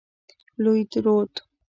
لوی رود.